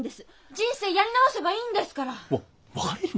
人生やり直せばいいんですから。わ別れる？